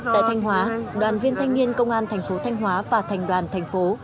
tại thanh hóa đoàn viên thanh niên công an thành phố thanh hóa và thành đoàn thành phố